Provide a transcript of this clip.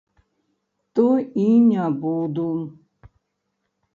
То і не буду!